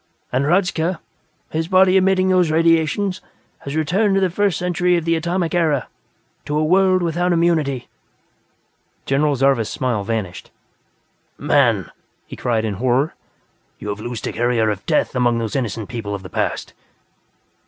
And Hradzka, his body emitting those radiations, has returned to the First Century of the Atomic Era to a world without immunity." General Zarvas' smile vanished. "Man!" he cried in horror. "You have loosed a carrier of death among those innocent people of the past!"